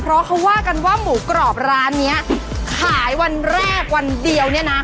เพราะเขาว่ากันว่าหมูกรอบร้านเนี้ยขายวันแรกวันเดียวเนี่ยนะ